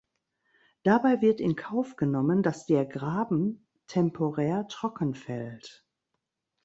Dabei wird in Kauf genommen, dass der Graben temporär trocken fällt.